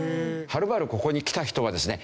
はるばるここに来た人はですね